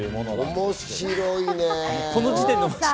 面白いね。